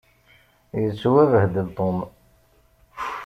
Yettwabehdel Tom.